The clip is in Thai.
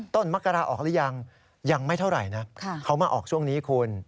มักกราออกหรือยังยังไม่เท่าไหร่นะเขามาออกช่วงนี้คุณ